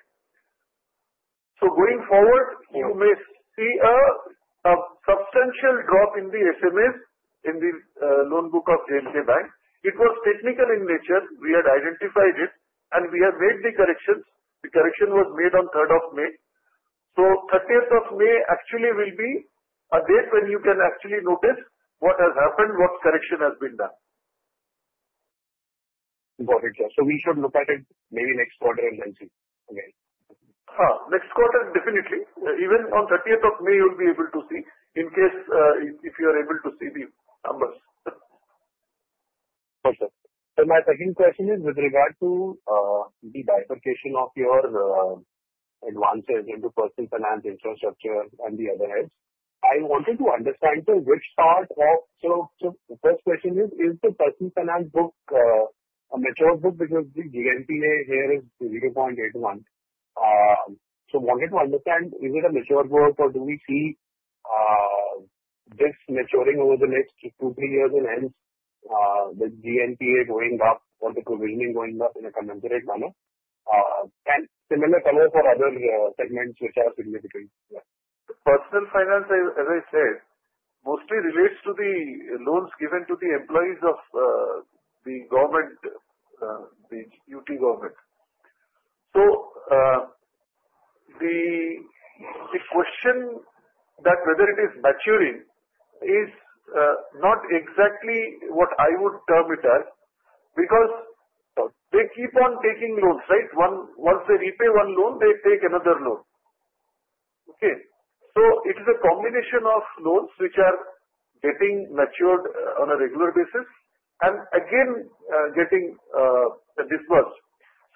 So going forward, you may see a substantial drop in the SMAs in the loan book of J&K Bank. It was technical in nature. We had identified it, and we have made the corrections. The correction was made on 3rd of May. So 30th of May actually will be a date when you can actually notice what has happened, what correction has been done. Got it, sir. So we should look at it maybe next quarter and then see. Okay. Next quarter, definitely. Even on 30th of May, you'll be able to see in case if you are able to see the numbers. Sure, sir. And my second question is with regard to the bifurcation of your advances into personal finance, infrastructure, and the other head. I wanted to understand, sir, which part. So the first question is, is the personal finance book a mature book because the GNPA here is 0.81%? So I wanted to understand, is it a mature book or do we see this maturing over the next two, three years in health with GNPA going up or the provisioning going up in a commensurate manner? And similar color for other segments which are significant. Personal finance, as I said, mostly relates to the loans given to the employees of the government, the UT government. So the question that whether it is maturing is not exactly what I would term it as because they keep on taking loans, right? Once they repay one loan, they take another loan. Okay. So it is a combination of loans which are getting matured on a regular basis and again getting disbursed.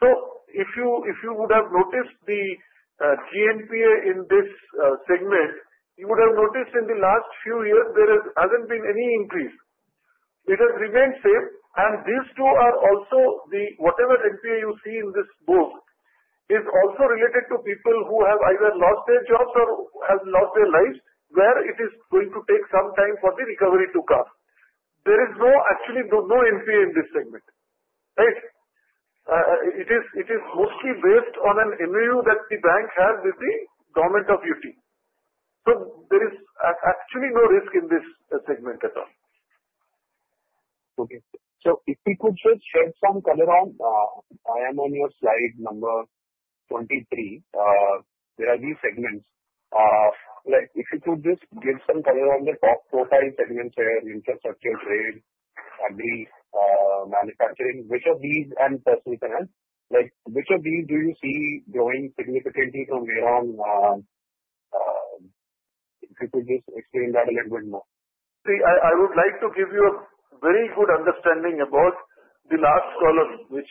So if you would have noticed the GNPA in this segment, you would have noticed in the last few years there hasn't been any increase. It has remained the same. And these two are also the whatever NPA you see in this book is also related to people who have either lost their jobs or have lost their lives where it is going to take some time for the recovery to come. There is actually no NPA in this segment, right? It is mostly based on an MOU that the bank has with the government of UT. So there is actually no risk in this segment at all. Okay. So if you could just shed some color on I am on your slide number 23, there are these segments. If you could just give some color on the top profile segments here, infrastructure, trade, agri, manufacturing, which of these and personal finance, which of these do you see growing significantly from here on? If you could just explain that a little bit more. See, I would like to give you a very good understanding about the last column, which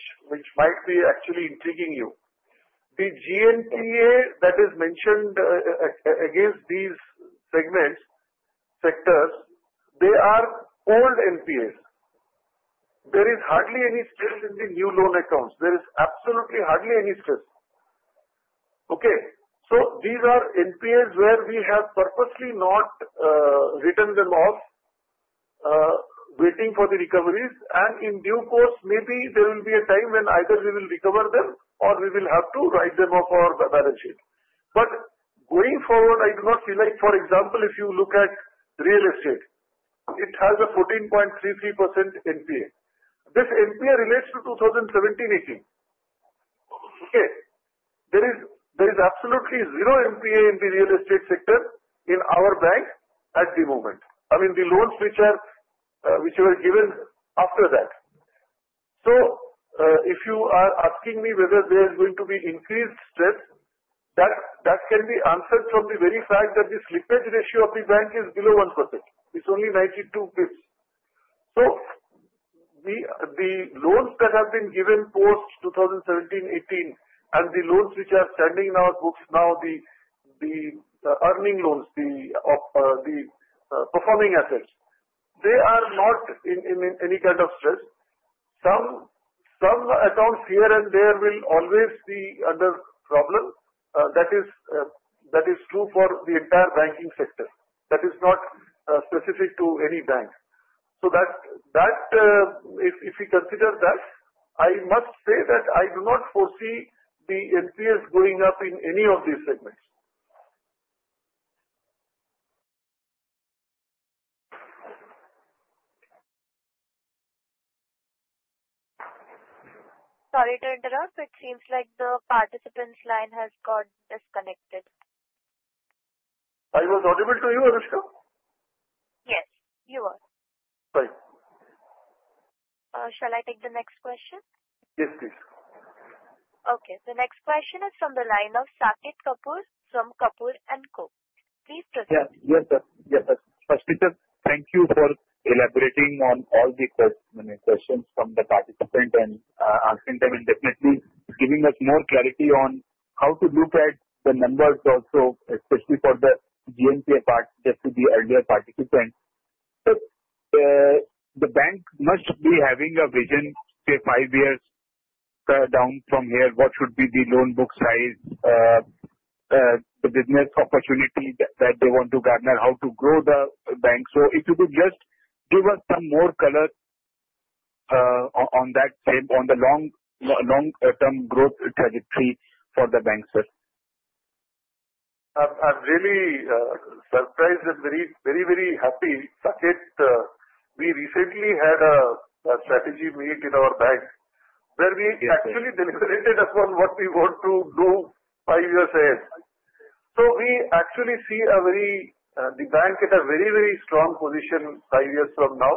might be actually intriguing you. The GNPA that is mentioned against these segments, sectors, they are old NPAs. There is hardly any stress in the new loan accounts. There is absolutely hardly any stress. Okay. So these are NPAs where we have purposely not written them off, waiting for the recoveries. In due course, maybe there will be a time when either we will recover them or we will have to write them off our balance sheet. Going forward, I do not feel like, for example, if you look at real estate, it has a 14.33% NPA. This NPA relates to 2017-2018. Okay. There is absolutely zero NPA in the real estate sector in our bank at the moment. I mean, the loans which were given after that. If you are asking me whether there is going to be increased stress, that can be answered from the very fact that the slippage ratio of the bank is below 1%. It's only 92 pips. The loans that have been given post 2017-2018 and the loans which are standing in our books now, the earning loans, the performing assets, they are not in any kind of stress. Some accounts here and there will always be under problem. That is true for the entire banking sector. That is not specific to any bank. So if you consider that, I must say that I do not foresee the NPAs going up in any of these segments. Sorry to interrupt. It seems like the participant's line has got disconnected. I was audible to you, Anushka? Yes, you were. Right. Shall I take the next question? Yes, please. Okay. The next question is from the line of Saket Kapoor from Kapoor & Co. Please proceed. Yes, sir. Yes, sir. First, Mr. Thank you for elaborating on all the questions from the participant and asking them indefinitely, giving us more clarity on how to look at the numbers also, especially for the GNPA part, just with the earlier participant. So the bank must be having a vision five years down from here. What should be the loan book size, the business opportunity that they want to gather, how to grow the bank? So if you could just give us some more color on that, on the long-term growth trajectory for the bank, sir. I'm really surprised and very, very happy, Saket. We recently had a strategy meet in our bank where we actually deliberated upon what we want to do five years ahead. So we actually see the bank in a very, very strong position five years from now.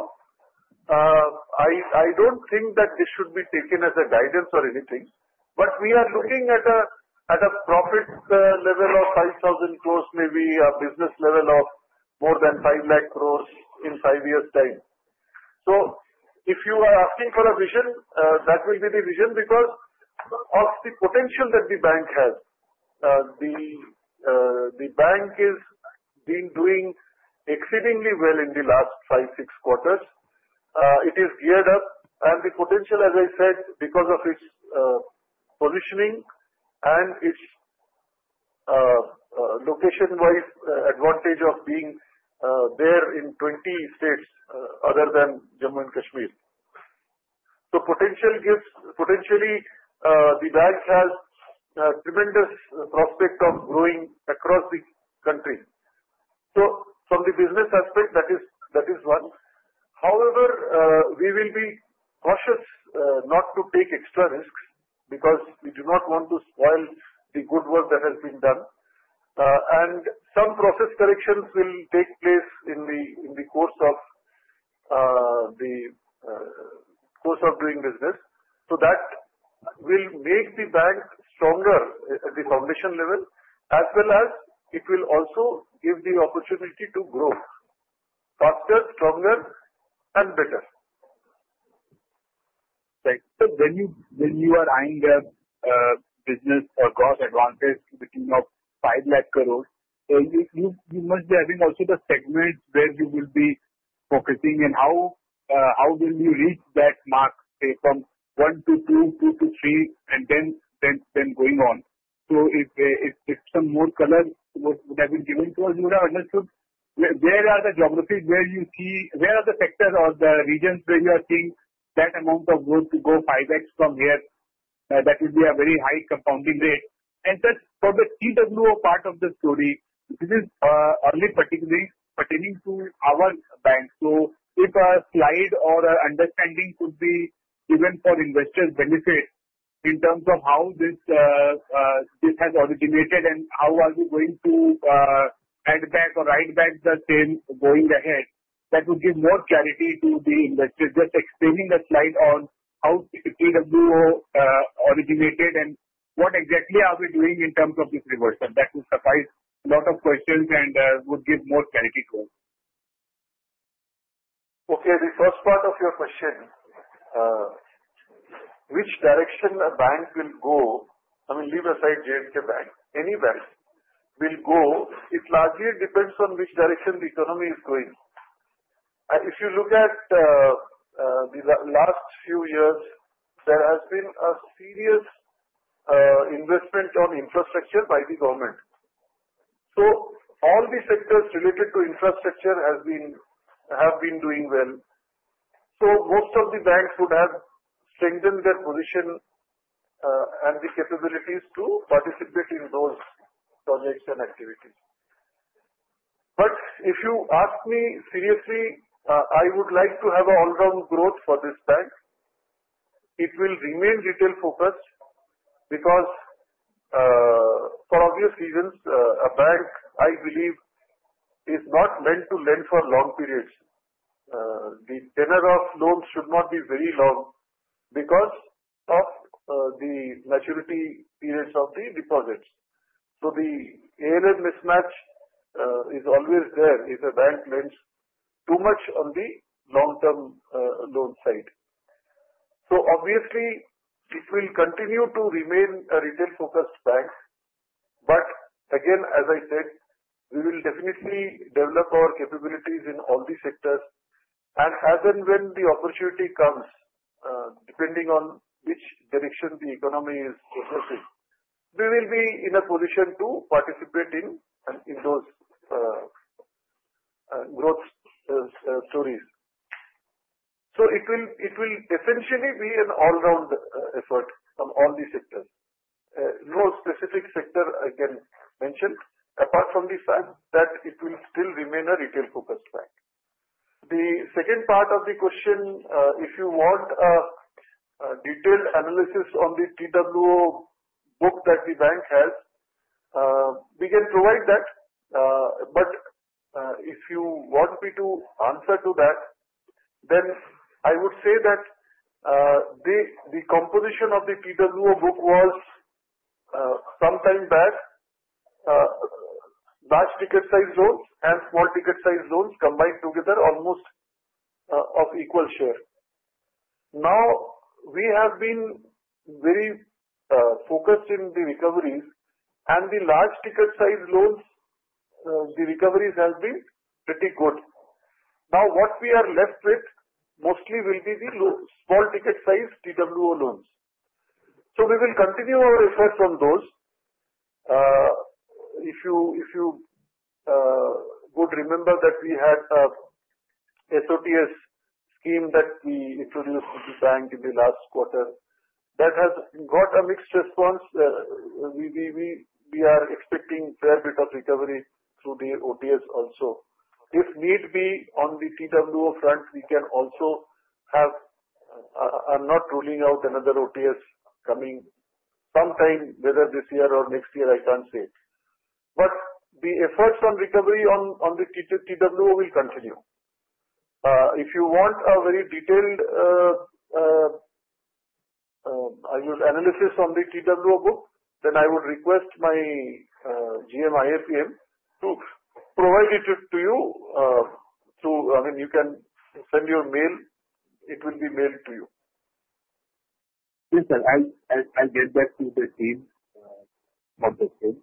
I don't think that this should be taken as a guidance or anything, but we are looking at a profit level of 5,000 crores, maybe a business level of more than 5 lakh crores in five years' time. So if you are asking for a vision, that will be the vision because of the potential that the bank has. The bank has been doing exceedingly well in the last five, six quarters. It is geared up, and the potential, as I said, because of its positioning and its location-wise advantage of being there in 20 states other than Jammu and Kashmir. So potentially, the bank has a tremendous prospect of growing across the country. So from the business aspect, that is one. However, we will be cautious not to take extra risks because we do not want to spoil the good work that has been done, and some process corrections will take place in the course of doing business. So that will make the bank stronger at the foundation level, as well as it will also give the opportunity to grow faster, stronger, and better. Right. When you are eyeing a business or growth advantage between 5 lakh crores, you must be having also the segments where you will be focusing and how will you reach that mark, say, from one to two, two to three, and then going on. If some more color would have been given to us, we would have understood where are the geographies where you see where are the sectors or the regions where you are seeing that amount of growth to go 5x from here. That will be a very high compounding rate. That's for the TWO part of the story. This is only particularly pertaining to our bank. So if a slide or an understanding could be given for investors' benefit in terms of how this has originated and how are we going to add back or write back the same going ahead, that would give more clarity to the investors. Just explaining the slide on how TWO originated and what exactly are we doing in terms of this reversal, that would answer a lot of questions and would give more clarity to us. Okay. The first part of your question, which direction a bank will go, I mean, leave aside J&K Bank, any bank will go, it largely depends on which direction the economy is going. If you look at the last few years, there has been a serious investment on infrastructure by the government. So all the sectors related to infrastructure have been doing well. So most of the banks would have strengthened their position and the capabilities to participate in those projects and activities. But if you ask me seriously, I would like to have an all-round growth for this bank. It will remain retail-focused because for obvious reasons, a bank, I believe, is not meant to lend for long periods. The tenor of loans should not be very long because of the maturity periods of the deposits. So the asset-liability mismatch is always there if a bank lends too much on the long-term loan side. So obviously, it will continue to remain a retail-focused bank. But again, as I said, we will definitely develop our capabilities in all the sectors. And as and when the opportunity comes, depending on which direction the economy is progressing, we will be in a position to participate in those growth stories. So it will essentially be an all-round effort from all the sectors. No specific sector, again, mentioned apart from the fact that it will still remain a retail-focused bank. The second part of the question, if you want a detailed analysis on the TWO book that the bank has, we can provide that. But if you want me to answer to that, then I would say that the composition of the TWO book was sometime back large ticket-sized loans and small ticket-sized loans combined together almost of equal share. Now, we have been very focused in the recoveries, and the large ticket-sized loans, the recoveries have been pretty good. Now, what we are left with mostly will be the small ticket-sized TWO loans. So we will continue our efforts on those. If you would remember that we had an SOTS scheme that we introduced to the bank in the last quarter, that has got a mixed response. We are expecting a fair bit of recovery through the OTS also. If need be, on the TWO front, we can also have. I'm not ruling out another OTS coming sometime, whether this year or next year, I can't say. But the efforts on recovery on the TWO will continue. If you want a very detailed analysis on the TWO book, then I would request my GM IAPM to provide it to you. I mean, you can send your mail. It will be mailed to you. Yes, sir. I'll get back to the team on this thing.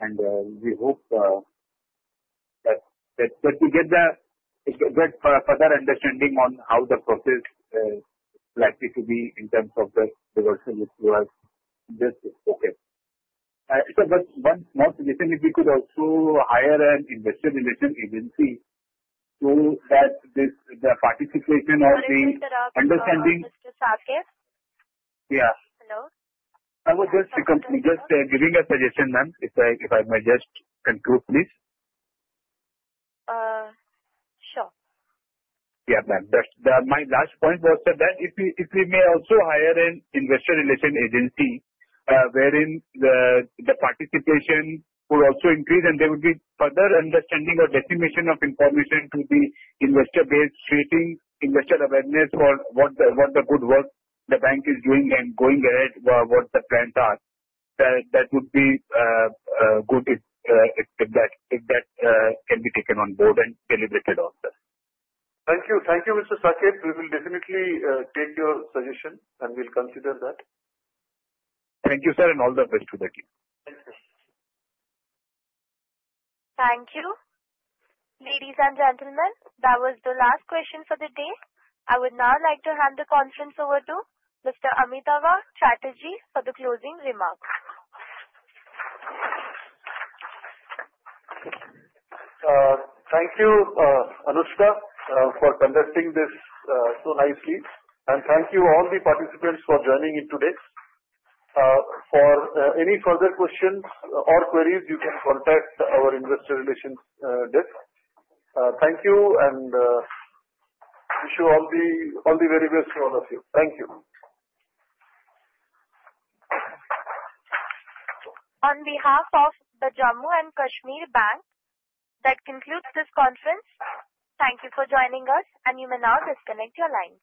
We hope that we get a further understanding on how the process is likely to be in terms of the reversal if you are just okay. So one small suggestion, if we could also hire an investor relations agency so that the participation of the— Sorry to interrupt, Mr. Saket. Yeah. Hello? I was just giving a suggestion, ma'am, if I may just conclude, please. Sure. Yeah, ma'am. My last point was that if we may also hire an investor relations agency wherein the participation would also increase and there would be further understanding or definition of information to the investor base, creating investor awareness for what the good work the bank is doing and going ahead what the plans are. That would be good if that can be taken on board and deliberated also. Thank you. Thank you, Mr. Saket. We will definitely take your suggestion and we'll consider that. Thank you, sir, and all the best to the team. Thank you. Thank you. Ladies and gentlemen, that was the last question for the day. I would now like to hand the conference over to Mr. Amitabh Chatterjee for the closing remarks. Thank you, Anushka, for conducting this so nicely, and thank you, all the participants, for joining in today. For any further questions or queries, you can contact our investor relations desk. Thank you and wish you all the very best to all of you. Thank you. On behalf of the Jammu and Kashmir Bank, that concludes this conference. Thank you for joining us, and you may now disconnect your line.